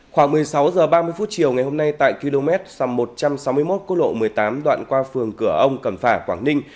khoảng một mươi sáu h ba mươi phút chiều ngày hôm nay tại km một trăm sáu mươi một cô lộ một mươi tám đoạn qua phường cửa ông cầm phả quảng ninh